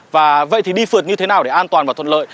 và vậy thì đi phượt như thế nào để an toàn và thuận lợi